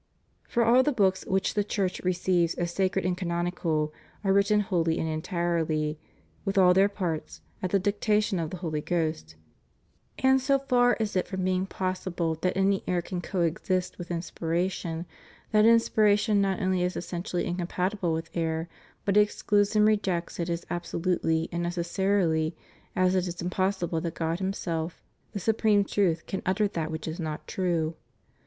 For all the books which the Church receives as sacred and canonical are written wholly and entirely, with all their parts, at the dictation of the Holy Ghost ; and so far is it from being possible that any error can co exist with inspiration, that inspiration not only is essentially incompatible with error, but excludes and rejects it as absolutely and necessarily as it is impossi ble that God Himself, the Supreme Truth, can utter that which is not true.